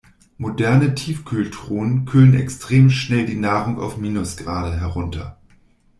Moderne Tiefkühltruhen kühlen extrem schnell die Nahrung auf Minusgrade herunter.